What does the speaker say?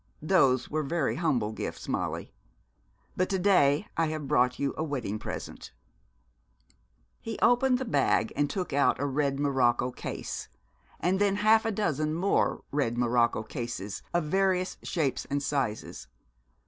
'Those were very humble gifts, Molly: but to day I have brought you a wedding present.' He opened the bag and took out a red morocco case, and then half a dozen more red morocco cases of various shapes and sizes.